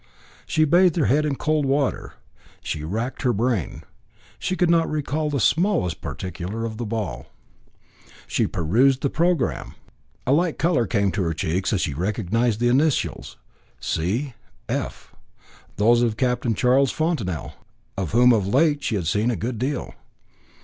She bathed her head in cold water. She racked her brain. She could not recall the smallest particular of the ball. She perused the programme. A light colour came into her cheek as she recognised the initials "C. F.," those of Captain Charles Fontanel, of whom of late she had seen a good deal.